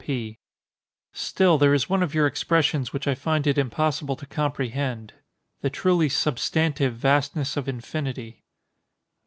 P. Still, there is one of your expressions which I find it impossible to comprehend—"the truly substantive vastness of infinity."